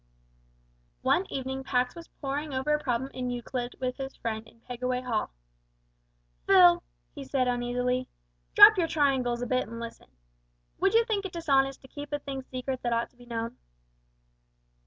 One evening Pax was poring over a problem in Euclid with his friend in Pegaway Hall. "Phil," he said uneasily, "drop your triangles a bit and listen. Would you think it dishonest to keep a thing secret that ought to be known?"